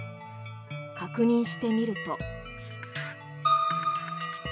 確認してみると。